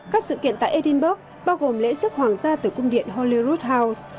các sự kiện tại edinburgh bao gồm lễ giấc hoàng gia từ cung điện holyrood house